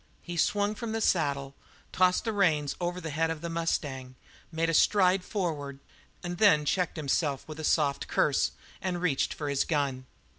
He swung from the saddle, tossed the reins over the head of the mustang, made a stride forward and then checked himself with a soft curse and reached for his gun.